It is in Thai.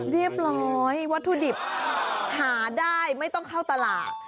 เรียบร้อยวัตถุดิบหาได้ไม่ต้องเข้าตลาด